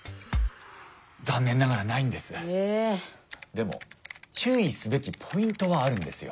でも注意すべきポイントはあるんですよ。